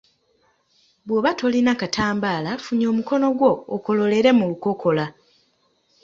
Bw’oba tolina katambaala, funya omukono gwo okololere mu lukokola.